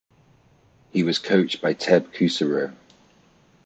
He was coached by Tebb Kusserow.